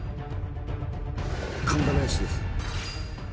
神田林です。